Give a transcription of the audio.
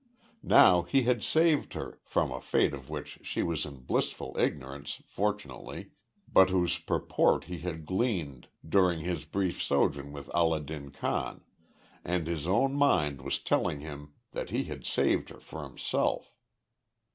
Now he had saved her from a fate of which she was in blissful ignorance, fortunately, but whose purport he had gleaned during his brief sojourn with Allah din Khan and his own mind was telling him that he had saved her for himself.